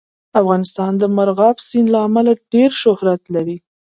افغانستان د مورغاب سیند له امله ډېر شهرت لري.